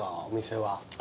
お店は。